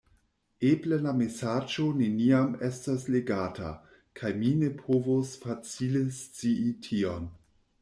Eble la mesaĝo neniam estos legata, kaj mi ne povos facile scii tion.